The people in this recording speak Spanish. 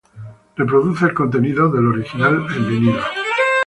Reproduce el contenido del original en vinilo.